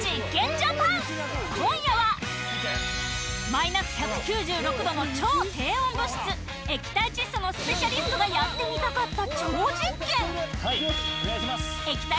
マイナス１９６度の超低温物質液体窒素のスペシャリストがやってみたかった超実験